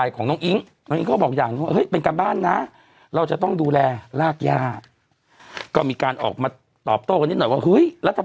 ก็เลยเป็นวันที่สอง